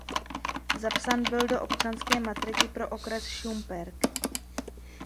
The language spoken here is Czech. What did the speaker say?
Zapsán byl do občanské matriky pro okres Šumperk.